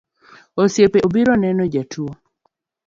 Osiepe obiro neno jatuo